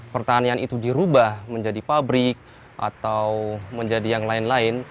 pertanian itu dirubah menjadi pabrik atau menjadi yang lain lain